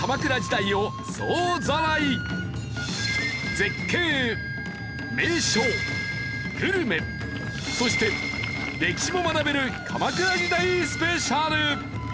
絶景名所グルメそして歴史も学べる鎌倉時代スペシャル。